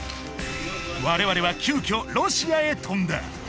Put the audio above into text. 我々は急遽ロシアへ飛んだ！